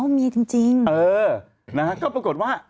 อ๋อมีจริงจริงเออนะฮะก็ปรากฏว่า